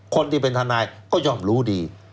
คนที่เป็นทนายก็ย่อมรู้ดี